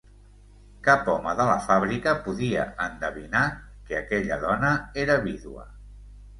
Cap home de la fàbrica podia endevinar que aquella dona era vídua.